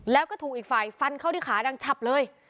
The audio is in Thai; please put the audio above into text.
แล้วก็ถูกอีกฝ่ายฟันเข้าที่ขาดังฉับเลย